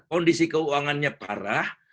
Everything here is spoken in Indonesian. kondisi keuangannya parah